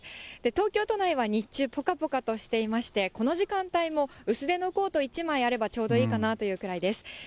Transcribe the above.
東京都内は日中、ぽかぽかとしていまして、この時間帯も薄手のコート１枚あればちょうどいいかなというくらいです。